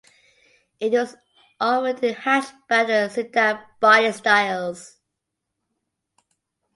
It was offered in hatchback and sedan body styles.